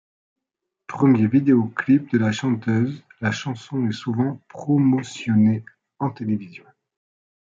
Premier vidéo-clip de la chanteuse, la chanson est souvent promotionnée en télévision.